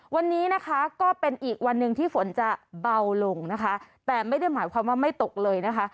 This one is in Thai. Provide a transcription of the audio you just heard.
วันนี้นะคะก็เป็นอีกวันหนึ่งที่ฝนจะเบาลงนะคะแต่ไม่ได้หมายความว่าไม่ตกเลยนะคะ